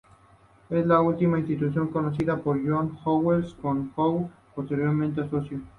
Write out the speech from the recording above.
En esta última institución conoció a John Mead Howells, con quien Hood posteriormente asoció.